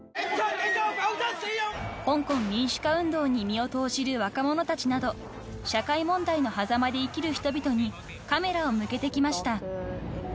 ［香港民主化運動に身を投じる若者たちなど社会問題のはざまで生きる人々にカメラを向けてきました］